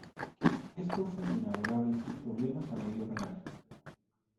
Es profundo y navegable sin problemas a medio canal.